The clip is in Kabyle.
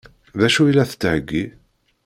D acu i la d-tettheggi?